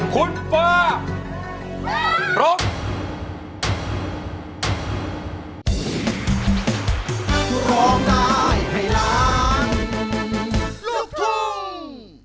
คุณฟ้าร้อง